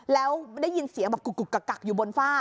แล้วได้ยินเสียงแบบกุกกักอยู่บนฝ้า